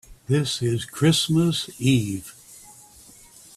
This is Christmas Eve.